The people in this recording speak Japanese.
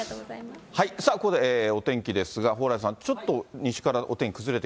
さあここで、お天気ですが、蓬莱さん、ちょっと西からお天気